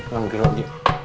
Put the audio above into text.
yang gelok dia